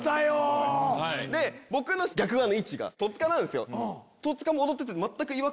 僕の逆側の位置が戸塚なんですよ。